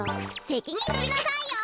せきにんとりなさいよ！